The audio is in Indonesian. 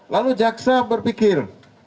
lalu jaksa berpikir